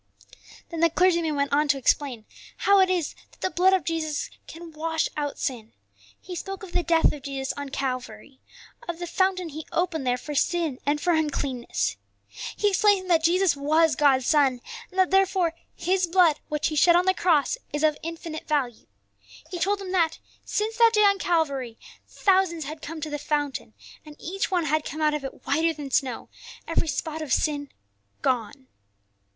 '" Then the clergyman went on to explain how it is that the blood of Jesus can wash out sin. He spoke of the death of Jesus on Calvary, of the fountain He opened there for sin and for uncleanness. He explained to them that Jesus was God's Son, and that therefore His blood which He shed on the cross is of infinite value. He told them that, since that day on Calvary, thousands had come to the fountain, and each one had come out of it whiter than snow, every spot of sin gone.